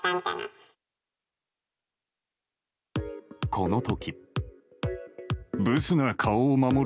この時。